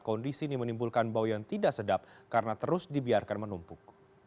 kondisi ini menimbulkan bau yang tidak sedap karena terus dibiarkan menumpuk